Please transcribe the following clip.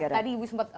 tadi ibu sempat